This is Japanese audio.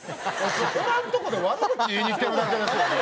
おらんとこで悪口言いに来てるだけですよね。